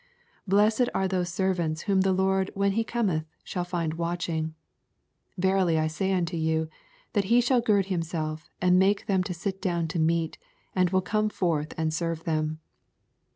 87 Blessed are those servants, whom the lord when he cometh, shall And watching j verily I say unto you, thai he shall gird himself, and make them to sit down to meat, and will come forth and serve them.